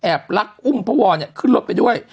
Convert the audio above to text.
แอบลักษณ์อุ้มพระวร์เนี่ยขึ้นรถไปด้วย